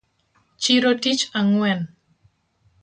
Chiro tich ang’wen